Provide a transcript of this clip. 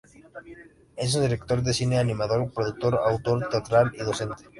Es un director de cine, animador, productor, autor teatral y docente.